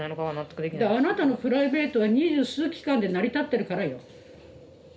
だからあなたのプライベートは二十数機関で成り立ってるからよ。